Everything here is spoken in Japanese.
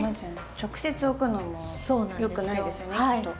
直接置くのもよくないですよねきっと。